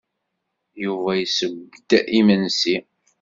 Yuba yesseww-d imensi.